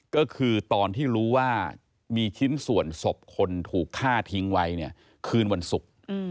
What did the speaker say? ก็คือตอนที่รู้ว่ามีชิ้นส่วนศพคนถูกฆ่าทิ้งไว้เนี่ยคืนวันศุกร์